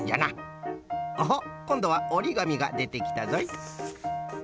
おっこんどはおりがみがでてきたぞい。